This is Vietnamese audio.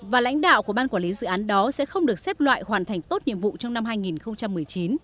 và lãnh đạo của ban quản lý dự án đó sẽ không được xếp loại hoàn thành tốt nhiệm vụ trong năm hai nghìn một mươi chín